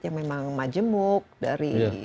yang memang majemuk dari